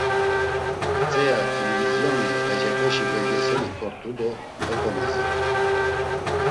Mtzea t̆ilivizyoni ğecepeşi belgeseli kort̆u do heko maziru.